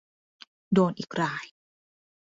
โดนอีกราย !